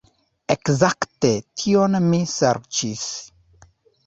Ekzakte tion mi serĉis.